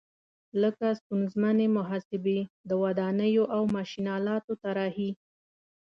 لکه ستونزمنې محاسبې، د ودانیو او ماشین آلاتو طراحي.